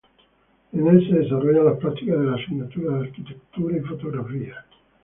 En el se desarrollan las prácticas de la asignatura de Arquitectura y Fotografía.